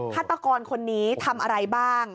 ฆาตกรคนนี้ทำอะไรบ้าง